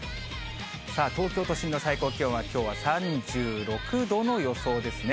さあ、東京都心の最高気温はきょうは３６度の予想ですね。